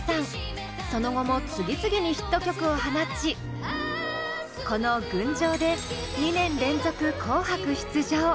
その後も次々にヒット曲を放ちこの「群青」で２年連続「紅白」出場。